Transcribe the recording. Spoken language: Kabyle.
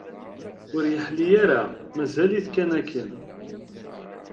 Ur yeḥli ara, mazal-it kan akken.